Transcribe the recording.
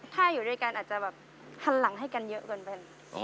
ถ้าอยู่ด้วยกันอาจจะแบบหันหลังให้กันเยอะเกินไปเลย